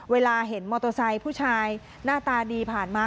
เวลาเห็นมอเตอร์ไซค์ผู้ชายหน้าตาดีผ่านมา